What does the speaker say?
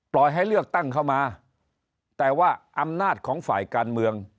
ให้เลือกตั้งเข้ามาแต่ว่าอำนาจของฝ่ายการเมือง